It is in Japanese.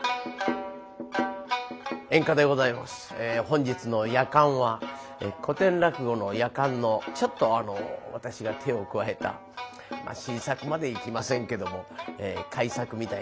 本日の「やかん」は古典落語の「やかん」のちょっとあの私が手を加えた新作までいきませんけども改作みたいなもんです。